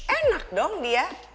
enak dong dia